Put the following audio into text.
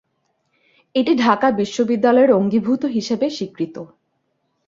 এটি ঢাকা বিশ্ববিদ্যালয়ের অঙ্গীভূত হিসাবে স্বীকৃত।